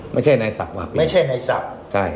ไม่ใช่ในศัพท์วะไม่ใช่ในศัพท์